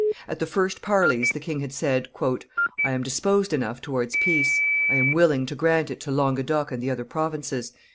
At the first parleys the king had said, "I am disposed enough towards peace; I am willing to grant it to Languedoc and the other provinces.